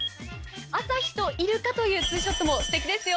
朝日とイルカというツーショットも素敵ですよ